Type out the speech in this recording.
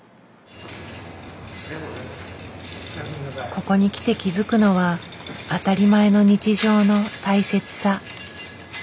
ここに来て気付くのは当たり前の日常の大切さ。